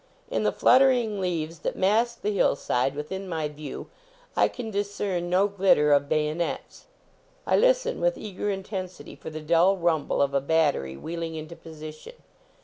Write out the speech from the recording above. In the fluttering leaves that mask the hillside within my view I can discern no glitter of bayonets. I listen with eager intensity for the dull rumble of a battery wheeling into position.